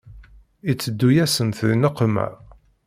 Iteddu-yasent di nneqma.